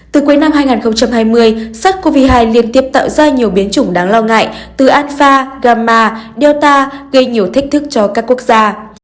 từ cuối năm hai nghìn hai mươi sars cov hai liên tiếp tạo ra nhiều biến chủng đáng lo ngại từ alfa gama delta gây nhiều thách thức cho các quốc gia